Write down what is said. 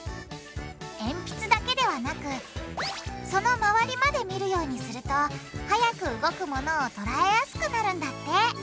えんぴつだけではなくその周りまで見るようにすると速く動くものを捉えやすくなるんだって。